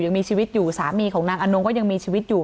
ยังมีชีวิตอยู่สามีของนางอนงก็ยังมีชีวิตอยู่